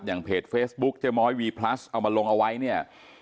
เพจเฟซบุ๊คเจ๊ม้อยวีพลัสเอามาลงเอาไว้เนี่ย